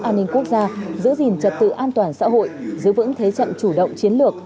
an ninh quốc gia giữ gìn trật tự an toàn xã hội giữ vững thế trận chủ động chiến lược